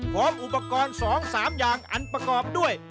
พร้อมอุปกรณ์๒๓อย่างอันประกอบด้วย